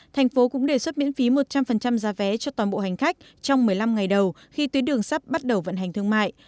thành phố cũng đề xuất miễn phí một trăm linh giá vé cho toàn bộ hành khách trong một mươi năm ngày đầu khi tuyến đường sắp bắt đầu vận hành thương mại